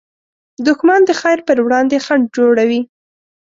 دښمن د خیر پر وړاندې خنډ جوړوي